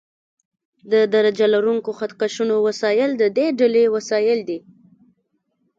د درجه لرونکو خط کشونو ډولونه د دې ډلې وسایل دي.